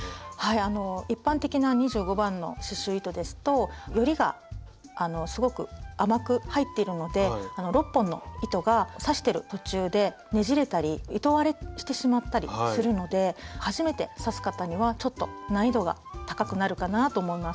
一般的な２５番の刺しゅう糸ですとよりがすごく甘く入っているので６本の糸が刺してる途中でねじれたり糸割れしてしまったりするので初めて刺す方にはちょっと難易度が高くなるかなぁと思います。